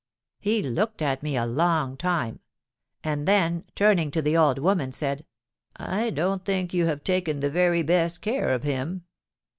He looked at me a long time; and then turning to the old woman, said, 'I don't think you have taken the very best care of him.'